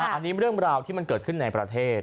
อันนี้เรื่องราวที่มันเกิดขึ้นในประเทศ